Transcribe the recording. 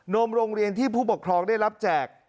มโรงเรียนที่ผู้ปกครองได้รับแจก